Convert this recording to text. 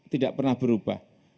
tidak pernah berubah